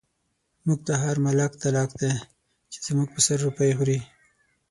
موږ ته هر ملک تلک دی، چۍ زموږ په سر روپۍ خوری